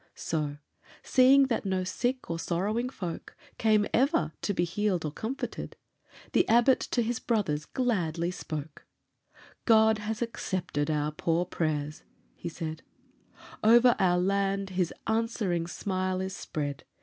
So, seeing that no sick or sorrowing folk Came ever to be healed or comforted, The Abbot to his brothers gladly spoke: "God has accepted our poor prayers," he said; "Over our land His answering smile is spread.